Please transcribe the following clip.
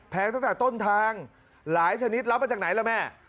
ตั้งแต่ต้นทางหลายชนิดรับมาจากไหนล่ะแม่